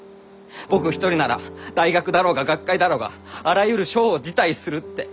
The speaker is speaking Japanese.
僕一人なら大学だろうが学会だろうがあらゆる賞を辞退するって。